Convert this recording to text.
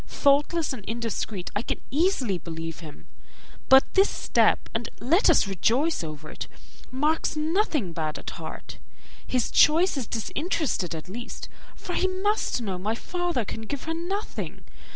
Thoughtless and indiscreet I can easily believe him, but this step (and let us rejoice over it) marks nothing bad at heart. His choice is disinterested at least, for he must know my father can give her nothing.